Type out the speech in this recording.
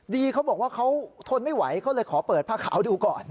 เขาบอกว่าเขาทนไม่ไหวเขาเลยขอเปิดผ้าขาวดูก่อน